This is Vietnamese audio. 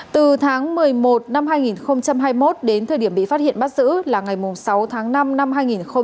từ tháng một mươi một năm hai nghìn hai mươi một đến thời điểm bị phát hiện bắt giữ là ngày sáu tháng năm năm hai nghìn hai mươi ba